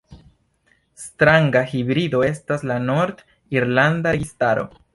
Stranga hibrido estas la nord-irlanda registaro.